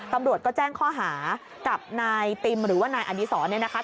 กำรวจก็แจ้งค่อหากับนายติมหรือว่านายอณิศรนะคะ